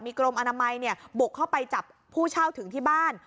กรมอนามัยบุกเข้าไปจับผู้เช่าถึงที่บ้าน